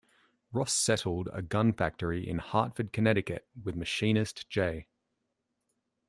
Ross settled a gun factory in Hartford, Connecticut, with machinist J.